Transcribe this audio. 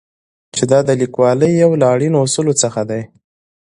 چې دا د لیکوالۍ یو له اړینو اصولو څخه دی.